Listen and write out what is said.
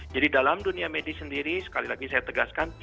jadi dalam dunia medis sendiri sekali lagi saya tegaskan